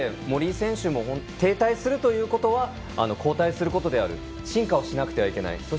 森井選手も停滞するということは後退することである進化をしなくてはいけない。